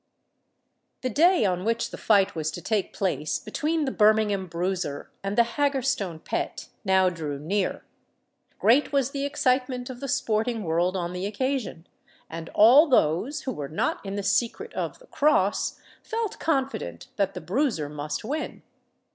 The day on which the fight was to take place between the Birmingham Bruiser and the Haggerstone Pet, now drew near. Great was the excitement of the sporting world on the occasion; and all those, who were not in the secret of the "cross," felt confident that the Bruiser must win.